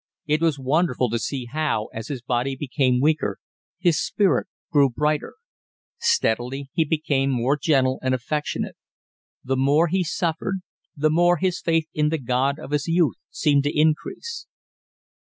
It was wonderful to see how, as his body became weaker, his spirit grew brighter. Steadily he became more gentle and affectionate; the more he suffered the more his faith in the God of his youth seemed to increase.